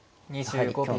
２５秒。